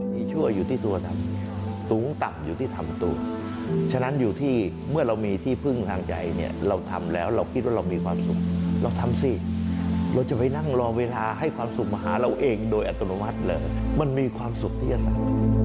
โดยการสักของเจ้าตัวนั้นไม่ได้เกิดจากการความศรัทธาหวังเป็นเครื่องยึดเหนื่อย